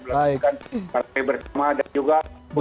melaksanakan partai bersama dan juga